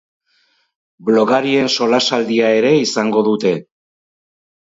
Blogarien solasaldia ere izango dute.